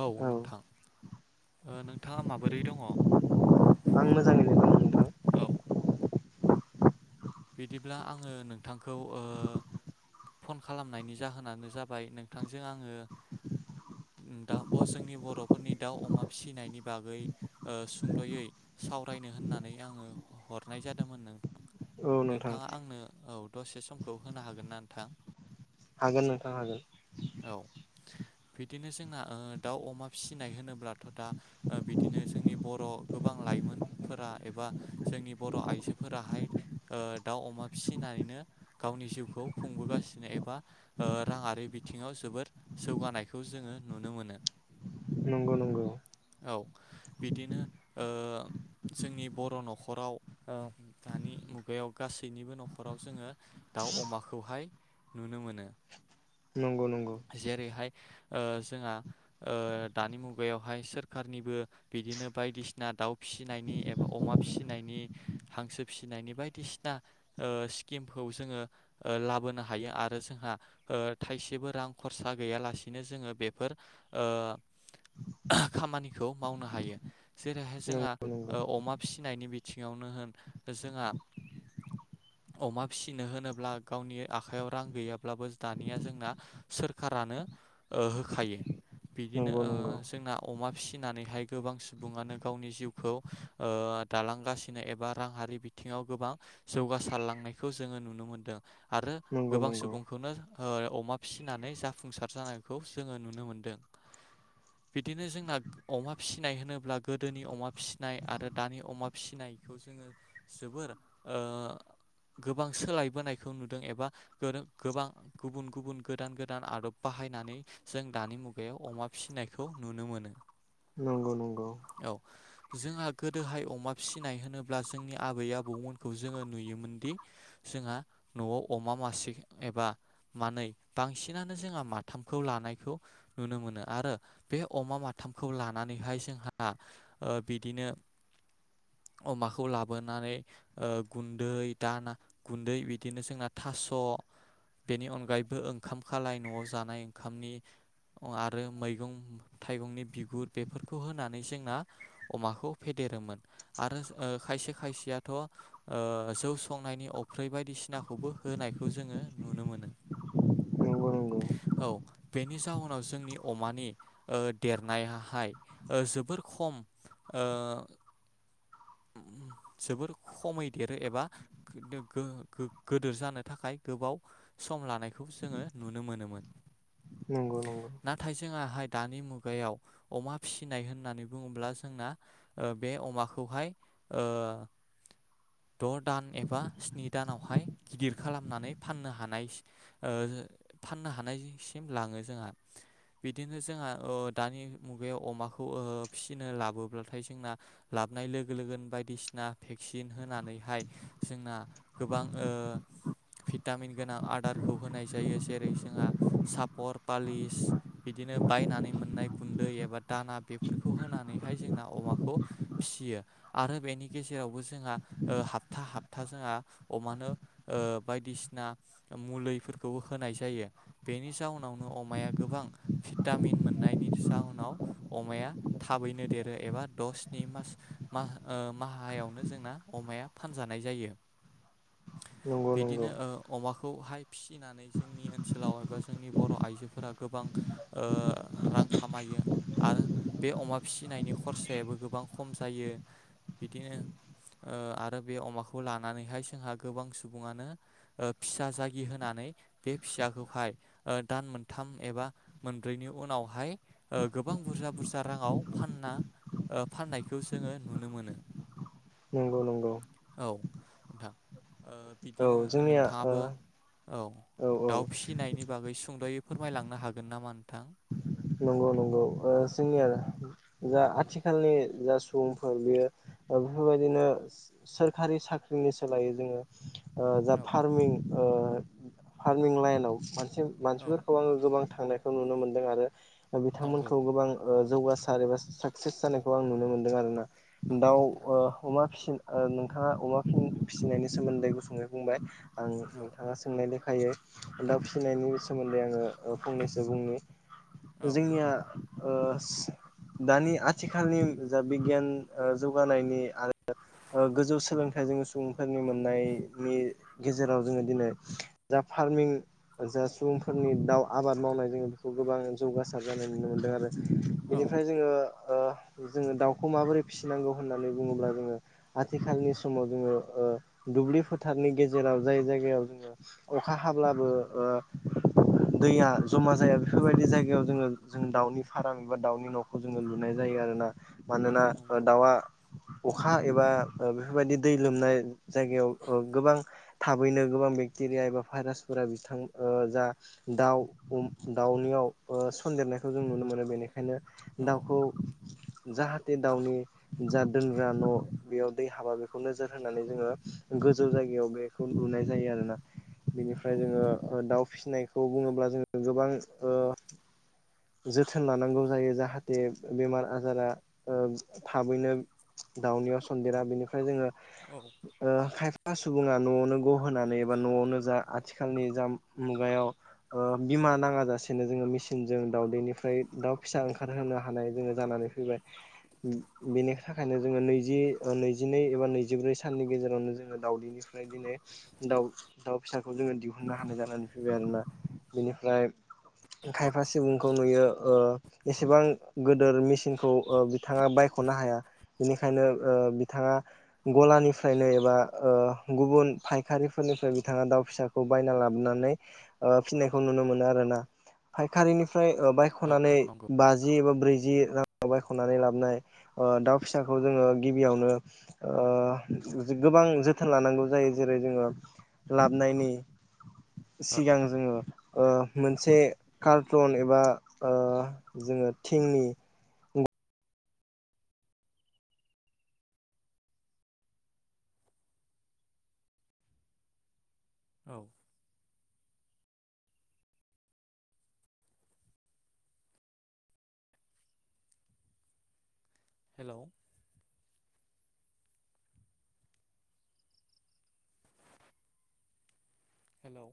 औ नोंथां नोंथाङा माबोरै दङ? आं मोजाङैनो दङ। औ। बिदिब्ला आङो नोंथांखौ ओ फन खालामनायनि जाहोनानो जाबाय नोंथांजों आङो दा जोंनि बर'फोरनि दाउ अमा फिसिनायनि बागै सुंद'यै सावरायनो होननानै आङो हरनाय जादोंमोन नोंथां। औ नोंथां नोंथाङा आंनो औ दसे समखौ होनो हागोन ना नोंथां? हागोन नोंथां हागोन। औ बिदिनो जोंना दाउ अमा फिसिनाय होनोब्लाथ' दा बिदिनो जोंनि बर' गोबां लाइमोनफोरा एबा' जोंनि बर' आइजोफोराहाय दाउ अमा फिसिनानैनो गावनि जिउखौ खुंबोगासिनो एबा ओ राङारि बिथिङाव जोबोर जौगानायखौ जोङो नुनो मोनो। नंगौ नंगौ। औ बिदिनो ओ जोंनि बर' न'खराव दानि मुग गायाव बेयाव गासैनिबो न'खराव जोङो दाउ अमाखौहाय नुनो मोनो। नंगौ नंगौ। जेरैहाय ओ जोंहा ओ दानि मुगायावहाय सोरखारनिबो बिदिनो बायदिसिना दाउ फिसिनायनि एबा अमा फिसिनायनि हांसो फिसिनायनि बायदि बायदिसिना स्किमखौ जोङो लाबोनो हायो आरो जोंहा थाइसेबो रां खरसा गैयालासिनो जोङो बेफोर खामानिखौ मावनो हायो। जेरैहाय जोंहा नंगौ अमा फिसिनायनि बिथिङावनो होन जोंहा अमा फिसिनो होनोब्ला गावनि आखायाव रां गैयाब्लाबो दानिया जोंना सोरखारानो होखायो। बिदिनो नंगौ नंगौ जोंना अमा फिसिनानैहाय गोबां सुबुङानो गावनि जिउखौ दालांगासिनो एबा रां हारि बिथिङाव गोबां जौगासारलांनायखौ जोङो नुनो मोनदों आरो। नंगौ नंगौ गोबां सुबुंखौनो अमा फिसिनानै जाफुंसार जानायखौ जोङो नुनो मोनदों। बिदिनो जोंना अमा फिसिनाय होनोब्ला गोदोनि अमा फिसिनाय आरो दानि अमा फिसिनायखौ जोङो जोबोर ओ गोबां सोलायबोनायखौ नुदों एबा गोबां गुबुन गुबुन गोदान गोदान आदब बाहायनानै जों दानि मुगायाव अमा फिसिनायखौ नुनो मोनो। नंगौ नंगौ। औ जोंहा गोदोहाय अमा फिसिनाय होनोब्ला जोंनि आबै आबौमोन खौ जोङो नुयोमोनदि जोंहा न'आव अमा मासे एबा मानै बांसिनानो जोंहा माथामखौ लानायखौ नुनो मोनो आरो बे अमा माथामखौ लानानैहाय जोंहा। बिदिनो अमाखौ लाबोनानै गुन्दै दाना गुन्दै बिदिनो जोंना थास' बेनि अनगायैबो ओंखाम खालाय न'आव जानाय ओंखामनि आरो मैगं थाइगंनि बिगुर बेफोरखौ होनानै जोंना अमाखौ फेदेरोमोन आरो ओ खायसे खायसेयाथ' जौ संनायनि अफ्रि बायदिसिनाखौबो होनायखौ जोङो नुनो मोनो नंगौ [inaudible] औ बेनि जाउनाव जोंनि अमानि देरनायाहाय जोबोर खम ओ जोबोर खमै देरो एबा गो-गो-गोदोर जानो थाखाय गोबाव सम लानायखौ जोङो नुनो मोनोमोन। नोंगौ नोंगौ। नाथाय जोङाहाय दानि मुगायाव अमा फिसिनाय होननानै बुङोब्ला जोंना ओ बे अमाखौहाय ओ द' दान एबा स्नि दानावहाय गिदिर खालामनानै फाननो हानाय [unintelligible] फाननो हानायसिम लाङो जोंहा बिदिनो जोंहा दानि मुगायाव अमाखौ फिसिनो लाबोब्लाथाय जोंना लाबनाय लोगो लोगो गोन बायदिसिना भेक्सिन होनानैहाय जोंना गोबां ओ भिटामिन गोनां आदारखौ होनाय जायो जेरै जोंहा सापर पालिस बिदिनो बायनानै मोननाय गुन्दै एबा दाना बेफोरखौ होनानैहाय जोंना अमाखौ फियो आरो बेनि गेजेरावबो जोंहा ओ हाबथा हाबथा जोंहा अमानो ओ बायदिसिना मुलैफोरखौबो होनाय जायो। बेनि जाहोनावनो अमाया गोबां भिटामिन मोननायनि जाहनाव अमाया थाबैनो देरो एबा दस स्नि मास मा ओ माहायावनो जोंना अमाया फानजानाय जायो। नंगौ बिदिनो अमाखौहाय फिनानै जोंनि ओनसोलाव एबा जोंनि बर' आइजोफोरा गोबां ओ रां खामायो। आरो बे अमा फिनायनि खरसायाबो गोबां खम जायो। बिदिनो आरो बे अमाखौ लानानैहाय जोंहा गोबां सुबुङानो फिसा जागि होनानै बे फिसाखौहाय दान मोनथाम एबा मोनब्रैनि उनावहाय गोबां बुरजा बुरजा राङाव फानना फाननायखौ जोङो नुनो मोनो। नंगौ नंगौ। औ नोंथां ओ औ बिदिनो जोंनिया ओ नोंथाङाबो औ औ औ दाउ फिसिनायनि बागै सुंद'यै फोरमायलांनो हागोन नामा नोंथां? नंगौ नंगौ ओ जोंनि औ आरो जा आथिखालनि जा सुबुंफोर बेयो बेफोरबायदिनो सोरखारि साख्रिनि सोलायै जोङो जा औ फार्मिं फार्मिं लाइनाव मोनसे औ मानसिफोरखौ आङो गोबां थांनायखौ नुनो मोनदों आरो नंगौ बिथांमोनखौ गोबां जौगासार एबा साक्सेस जानायखौ आं नुनो मोन्दों आरो ना। नंगौ दाव नोंथां ओ अमा फि ओ नोंथाङा अमा फिसिनायनि सोमोन्दै गुसङै बुंबाय आं औ नोंथाङा सोंनाय लेखायै दाउ फिसिनायनि सोमोन्दै आङो ओ फंनैसो बुंनि। औ जोंनिया ओ दानि आथिखालनि जा बिगियान ओ जौगानायनि आरो ओ गोजौ सोलोंथाइजों सुबुंफोरनि मोननायनि गेजेराव जोङो दिनै जा फार्मिं जा सुबुंफोरनि दाउ आबाद मावनाय जोङो खौ गोबां जौगासार जानाय नुनो मोनदों आरो, औ बेनिफ्राय जोङो जोङो दाउखौ माबोरै फिसिनांगौ? होननानै बुङोब्ला जोङो आथिखालनि समाव जोङो दुब्लि फोथारनि गेजेराव जाय जायगायाव अखा हाब्लाबो दैया जमा जाया। बेफोरबायदि जायगायाव जोङो जों दाउनि फार्म एबा दाउनि न'खौ जोङो लुनाय जायो आरोना। मानोनना औ नंगौ दाउवा अखा एबा बेफोरबायदि दै लोमनाय जायगायाव गोबां थाबैनो गोबां बेक्टेरिया एबा भाइरासफोरा बिथां जा दाउ दाउनियाव सनन्देरनायखौ जों नुनो मोनो, बेनिखायनो औ दाउखौ जाहाथे दावउनि जा दोनग्रा न' बेयाव दै हाबा बेखौ नोजोर होनानै जोङो गोजौ जायगायाव बे बे खौ नुनाय जायो आरोना। औ बिनिफ्राय जोङो दाउ फिसिनायखौ बुङोब्ला जोङो गोबां अ जोथोन लानांगौ जायो जाहाथे बेमार आजारा ओ थाबैनो दाउनियाव सन्देरा बेनिखायनो जोङो औ। खायफा सुबुङा न'आवनो ग होनोनानै एबा न'आवनो जा आथिखालनि जा मुगायाव अ बिीमा नाङा ज फसेनो जोङो मेसिनजों दाउदैनिफ्राय दाउ फिसा ओंखारहोनो हानाय जोङो जानानै फैबाय। बेनि थाखायनो जोङो नैजि नैजिनै एबा नैजिब्रै साननि गेजेरावनो जोङो दावउदैनि ओमफ्राय दिनै दाउ दाउ फिसाखौ जोङो दिहुननो हानाय जानानै फैबाय आरोना बिनिफ्राय खायफा सुबुंखौ नुयो ओ एसेबां गोदोर मेसिनखौ ओ बिथाङा बायख'नो हाया। बेनिखायनो ओ बिथाङा गलानिफ्रायनो एबा ओ गुबुन फायखारिफोरनिफ्राय बिथाङा दाउ फिसा खौ बायना लाबोनानै ओ फिनायखौ नुनो मोनो आरोना। फायखारिनिफ्राय ओ औ बायख'नानै नंगौ बा जि बा ब्रैजि राङाव बायख'नानै लाबोनाय ओ दाउ फिसाखौ जोङो गिबियावनो ओ गोबां जोथोन लानांगौ जायो जेरै जोङो लाबनायनि औ सिगां जोङो ओ मोन मोनसे कारटन एबा ओ जोङो थिंनि औ। हेल'। हेल'।